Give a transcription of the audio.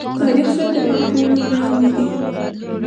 تاریخ سره د پام کولو ویلې دي.